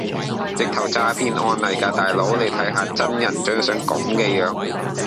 直頭詐騙案嚟㗎大佬你睇吓真人張相咁嘅樣